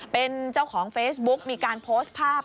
เป็นเจ้าของเฟซบุ๊กมีการโพสต์ภาพ